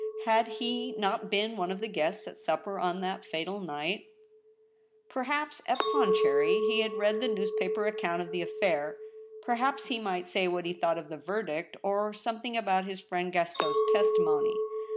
Had he not been one of the guests at supper on that fatal night ? Perhaps at Pondicherry he had read the newspaper account of the affair ; perhaps he might say what he thought of the verdict, or something about his friend Gaston's testimony.